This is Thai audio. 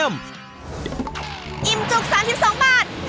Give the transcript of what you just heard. พาไปที่อีกหนึ่งร้านที่ขึ้นชื่อเรื่องของหมาล่าสุดพรีเมี่ยม